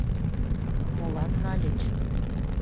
Молан нальыч?